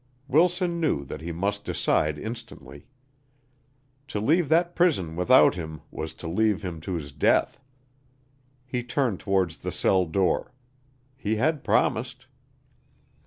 Wilson knew that he must decide instantly. To leave that prison without him was to leave him to his death. He turned towards the cell door; he had promised.